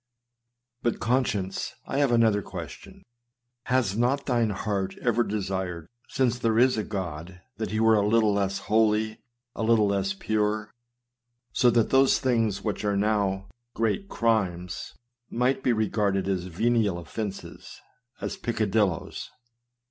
But, conscience, I have another question ! Has not thine heart ever desired, since there is a God, that he were a little less holy, a little less pure, so that those things which are now great crimes might be regarded as venial offences, as peccadillos?